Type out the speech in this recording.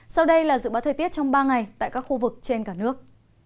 sau đây là dự báo thời tiết trong ba ngày tại các khu vực trên cả nước